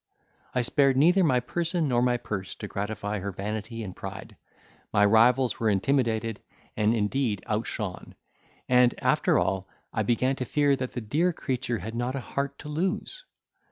I spared neither my person nor my purse to gratify her vanity and pride; my rivals were intimidated, and indeed outshone; and, after all, I began to fear that the dear creature had not a heart to lose.